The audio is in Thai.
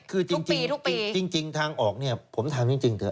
คือจริงทางออกผมถามจริงเธอ